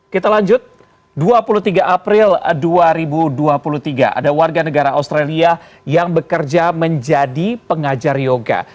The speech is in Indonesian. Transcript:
kita lanjut dua puluh tiga april dua ribu dua puluh tiga ada warga negara australia yang bekerja menjadi pengajar yoga